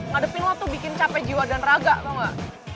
ngadepin waktu bikin capek jiwa dan raga tau gak